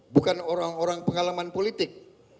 bukan orang orang pengalaman politik